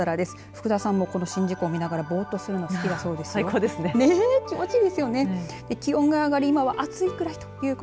福田さんもこの宍道湖を見ながらぼうっとするのが好きだそうです。